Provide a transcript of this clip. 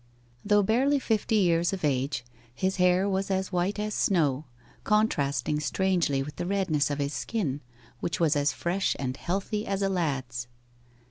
Though barely fifty years of age, his hair was as white as snow, contrasting strangely with the redness of his skin, which was as fresh and healthy as a lad's.